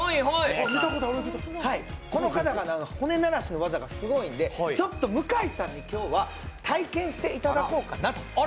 この方が、骨鳴らしの技がすごいんで向井さんに今日は体験していただこうかなと。